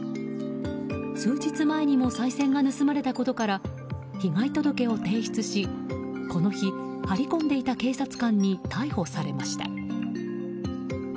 数日前にもさい銭が盗まれたことから被害届を提出しこの日、張り込んでいた警察官に逮捕されました。